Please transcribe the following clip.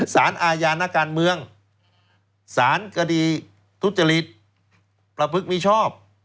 ศาลอาญาณการเมืองศาลกดีทุษฎฤษประพฤติมีชอบ